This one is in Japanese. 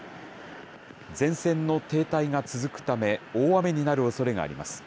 前線の停滞が続くため、大雨になるおそれがあります。